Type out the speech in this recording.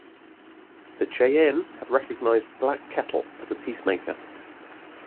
The Cheyenne have recognized Black Kettle as a peacemaker.